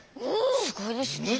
すごいですね。